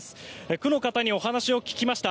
区の方にお話を聞きました。